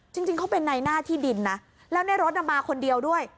จริงเขาเป็นในหน้าที่ดินนะแล้วในรถมาคนเดียวด้วย